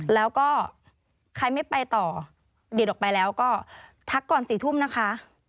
แล้วก็ใครไม่ไปต่อดีดออกไปแล้วก็ทักก่อน๔ทุ่มนะคะ